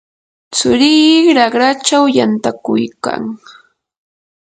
tsurii raqrachaw yantakuykan.